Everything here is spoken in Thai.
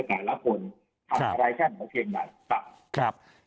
แต่ละคนทำอะไรแค่เหนือเทรงใด